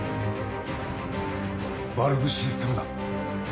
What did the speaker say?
バルブシステムだ！